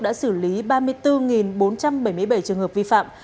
đã xử lý ba mươi bốn bốn trăm bảy mươi bảy trường hợp vi phạm